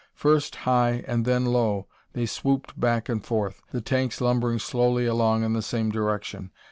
First high and then low they swooped back and forth, the tanks lumbering slowly along in the same direction.